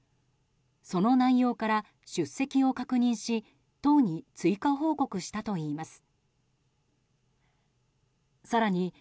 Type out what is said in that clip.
その内容から出席を確認し党に追加報告したといいます。